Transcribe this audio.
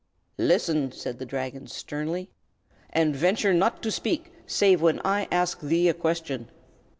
"Listen!" said the Dragon, sternly, "and venture not to speak save when I ask thee a question.